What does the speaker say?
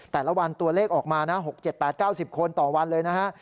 แต่ละวันตัวเลขออกมานะ๖๗๘๙๐คนต่อวันเลยนะฮะ